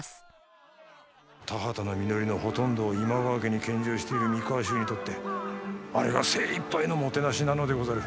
田畑の実りのほとんどを今川家に献上している三河衆にとってあれが精いっぱいのもてなしなのでござる。